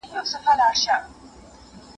اوس به څوك د جلالا ګودر ته يوسي